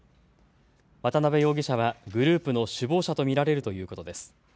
渡邉容疑者はグループの首謀者と見られるということです。